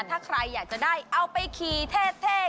ถ้าใครอยากจะได้เอาไปขี่เท่